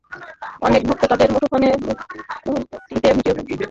অনেক ভক্ত তাঁদের মুঠোফোনে মুহূর্তটিকে ভিডিও করেন এবং টুইটারে ছেড়ে দেন।